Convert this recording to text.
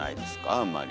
あんまり。